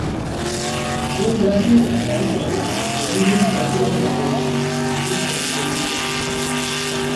Malandragem is characterized in the Brazilian popular imagination as a tool for individual justice.